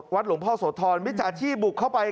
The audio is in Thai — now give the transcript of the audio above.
หลวงพ่อโสธรมิจฉาชีพบุกเข้าไป